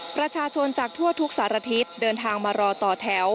ประชาชนจากทั่วทุกสารทิศเดินทางมารอต่อแถว